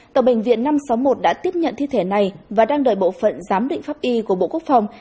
tàu bệnh viện năm trăm sáu mươi một đã tiếp nhận thi thể này và đang đợi bộ phận giám định pháp y của bộ quốc phòng